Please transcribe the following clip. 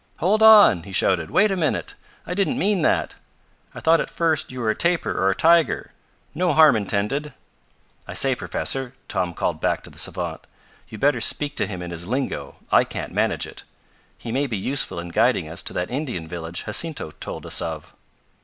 "Hold on!" he shouted. "Wait a minute. I didn't mean that. I thought at first you were a tapir or a tiger. No harm intended. I say, Professor," Tom called back to the savant, "you'd better speak to him in his lingo, I can't manage it. He may be useful in guiding us to that Indian village Jacinto told us of."